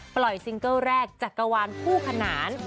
ปล่อยซิงเกิ้ลแรกจากกระวานผู้ขนาน